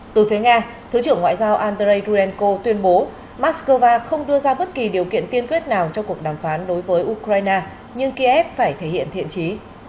từ phía nga thứ trưởng ngoại giao andrei rurenko tuyên bố moscow không đưa ra bất kỳ điều kiện tiên quyết nào cho cuộc đàm phán đối với ukraine nhưng ký ép phải thể hiện thiện trí